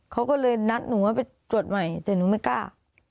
เขาก็เลยนัดหนูว่าไปตรวจใหม่แต่หนูไม่กล้า